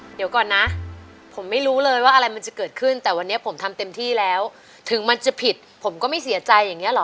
เดี๋ยวก่อนนะผมไม่รู้เลยว่าอะไรมันจะเกิดขึ้นแต่วันนี้ผมทำเต็มที่แล้วถึงมันจะผิดผมก็ไม่เสียใจอย่างเงี้เหรอ